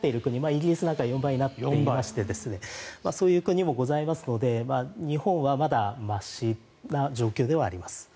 イギリスなんかは４倍になっていましてそういう国もございますので日本はまだましな状況ではあります。